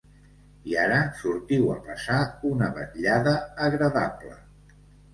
I ara sortiu a passar una vetllada agradable.